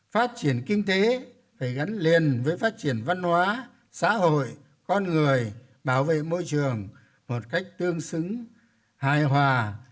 phát triển kinh tế phải gắn liền với phát triển văn hóa xã hội con người bảo vệ môi trường một cách tương xứng hài hòa